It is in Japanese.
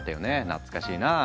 懐かしいな。